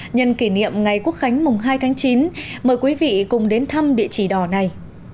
nhân kỷ niệm ngày quốc khánh mùng hai tháng chín mời quý vị cùng đến thăm địa chỉ đỏ này